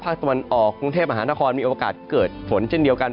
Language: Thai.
ภาคตะวันออกกรุงเทพอาหารทะคอนมีโอกาสเกิดฝนเจ้าเดียวกัน